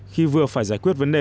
khi vừa phải giải quyết vấn đề